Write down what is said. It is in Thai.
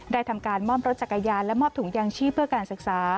ทำการมอบรถจักรยานและมอบถุงยางชีพเพื่อการศึกษา